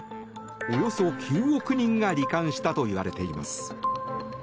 およそ９億人が罹患したといわれています。